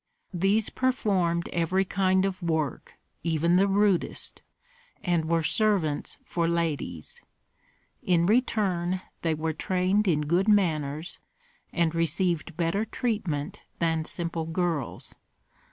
These performed every kind of work, even the rudest, and were servants for ladies; in return they were trained in good manners, and received better treatment than simple girls.